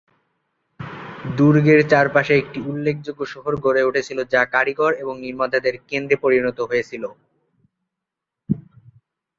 দুর্গের চারপাশে একটি উল্লেখযোগ্য শহর গড়ে উঠেছিল যা কারিগর এবং নির্মাতাদের কেন্দ্রে পরিণত হয়েছিল।